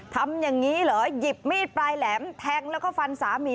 ทำอย่างนี้เหรอหยิบมีดปลายแหลมแทงแล้วก็ฟันสามี